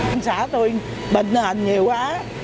ông xã tôi bệnh nền nhiều quá